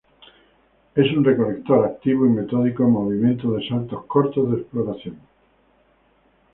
Es un recolector activo y metódico en movimientos de saltos cortos de exploración.